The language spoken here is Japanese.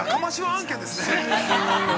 案件ですね。